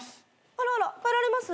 あらら帰られます？